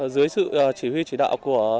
dưới sự chỉ huy chỉ đạo của